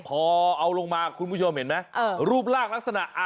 พอเอาลงมาคุณผู้ชมเห็นไหมรูปร่างลักษณะ